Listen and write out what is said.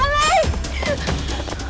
malin jangan lupa